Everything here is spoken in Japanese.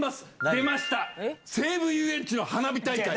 出ました、西武ゆうえんちの花火大会。